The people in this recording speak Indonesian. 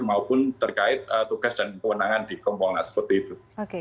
maupun terkait tugas dan kewenangan di kompolnas seperti itu